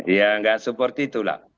ya nggak seperti itulah